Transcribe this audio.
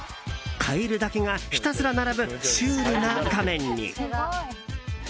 カエルだけがひたすら並ぶシュールな画面に。